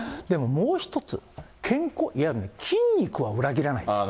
でももう一つ、健康、いやもう、筋肉は裏切らない。